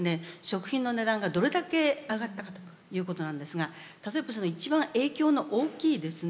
食品の値段がどれだけ上がったかということなんですが例えば一番影響の大きいですね